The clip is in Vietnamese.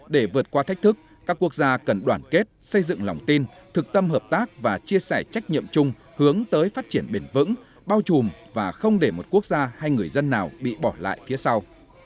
để vượt qua thách thức các quốc gia cần đoàn kết xây dựng lòng tin thực tâm hợp tác và chia sẻ trách nhiệm chung hướng tới phát triển bền vững bao trùm và không để một quốc gia hay người dân nào bị bỏ lại phía sau